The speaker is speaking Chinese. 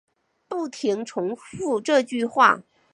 不停重复这句话